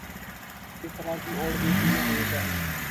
اس طرح کی اور بھی فلمیں ہونی چاہئے